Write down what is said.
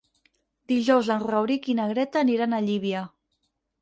Dijous en Rauric i na Greta aniran a Llívia.